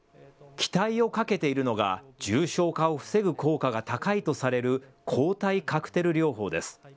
期待をかけているのが重症化を防ぐ効果が高いとされる抗体カクテル療法です。